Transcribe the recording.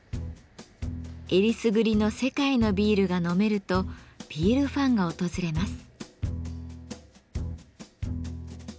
選りすぐりの世界のビールが飲めるとビールファンが訪れます。